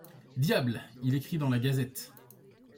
Diable ! il écrit dans la gazette.